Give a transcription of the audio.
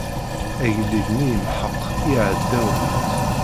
Agellid-nni yemḥeq iɛdawen-nnes.